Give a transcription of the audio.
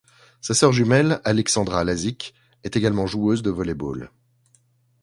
Sa sœur jumelle Alexandra Lazic est également joueuse de volley-ball.